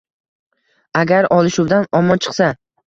agar olishuvdan omon chiqsa